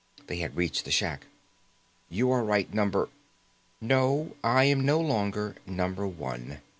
They had reached the shack. "You are right, Number ..." "No. I am no longer Number One.